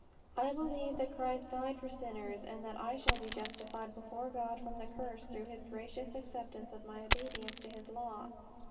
"I believe that Christ died for sinners and that I shall be justified before God from the curse through His gracious acceptance of my obedience to His law.